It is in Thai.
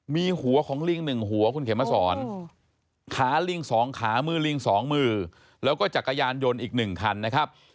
มีหัวของลิง๑หัวคุณเขมสอนขาลิง๒ขามือลิง๒มือแล้วก็จักรยานยนต์อีก๑คันนะครับ